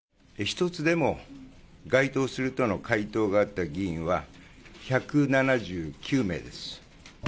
一つでも該当するとの回答があった議員は、１７９名です。